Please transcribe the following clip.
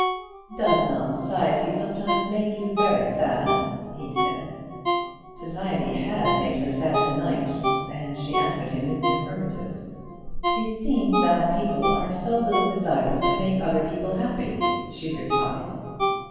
"Does not society sometimes make you very sad?" he said. Society had made her sad to night, and she answered him in the affirmative. "It seems that people are so little desirous to make other people happy," she replied.